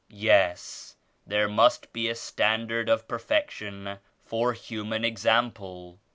"Yes, there must be a standard of perfection for human example."